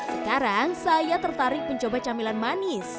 sekarang saya tertarik mencoba camilan manis